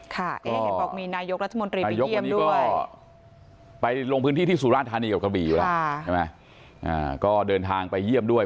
ค่ะให้เห็นบอกมีนายกรัฐมนตรีไปเยี่ยมด้วย